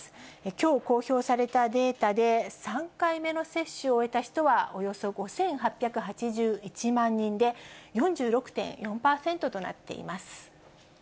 きょう公表されたデータで、３回目の接種を終えた人はおよそ５８８１万人で、４６．４％となっています。